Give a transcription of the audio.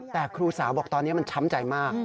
แต่ครูสาวบอกตอนนี้มันช้ำใจมาก